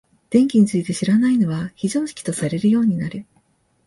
電気について知らないのは非常識とされるようになる。